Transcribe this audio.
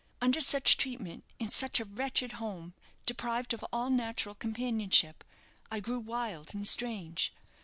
Under such treatment, in such a wretched home, deprived of all natural companionship, I grew wild and strange.